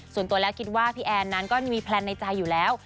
ส่วนตัวแล้วคิดว่าพี่แอนนั้นก็มีแพลนในใจอยู่แล้ว